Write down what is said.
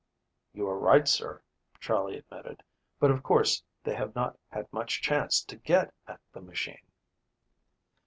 "You are right, sir," Charley admitted, "but of course they have not had much chance to get at the machine."